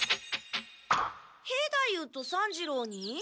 兵太夫と三治郎に？